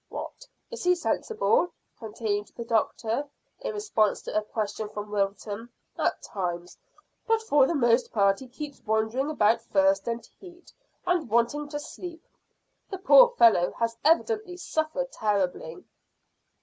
What? Is he sensible?" continued the doctor, in response to a question from Wilton. "At times, but for the most part he keeps wandering about thirst and heat, and wanting to sleep. The poor fellow has evidently suffered terribly."